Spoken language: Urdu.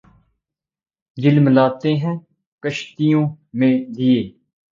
جھلملاتے ہیں کشتیوں میں دیے